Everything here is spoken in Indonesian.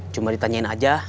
cuma ditanyain aja